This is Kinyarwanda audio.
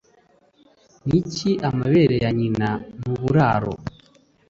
Niki amabere ya nyina nuburaro